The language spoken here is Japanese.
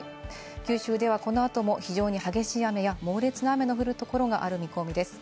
九州ではこの後も非常に激しい雨や猛烈な雨の降るところがある見込みです。